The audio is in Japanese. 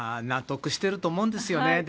納得していると思うんですよね。